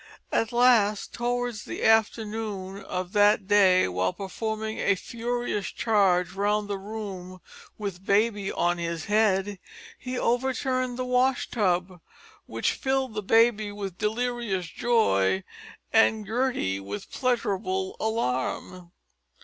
At last towards the afternoon of that day, while performing a furious charge round the room with baby on his head, he overturned the wash tub, which filled the baby with delirious joy, and Gertie with pleasurable alarm.